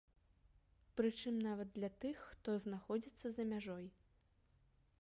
Прычым нават для тых, хто знаходзіцца за мяжой.